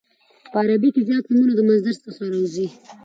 په عربي کښي زیات نومونه د مصدر څخه راوځي.